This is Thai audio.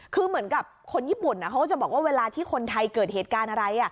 คือเหมือนกับคนญี่ปุ่นเขาก็จะบอกว่าเวลาที่คนไทยเกิดเหตุการณ์อะไร